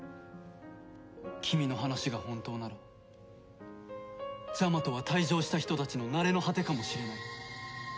君の話が本当ならジャマトは退場した人たちの成れの果てかもしれない。